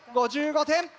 ５５点。